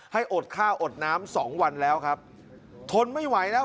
อดข้าวอดน้ำสองวันแล้วครับทนไม่ไหวแล้ว